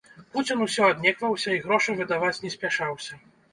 Пуцін усё аднекваўся, і грошы выдаваць не спяшаўся.